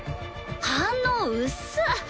反応薄っ。